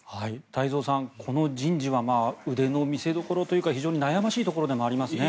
太蔵さん、この人事は腕の見せどころというか非常に悩ましいところでもありますね。